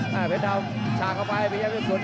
แห้วเป็นทางของเพชรดำ